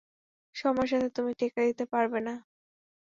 সময়ের সাথে তুমি টেক্কা দিতে পারবে না।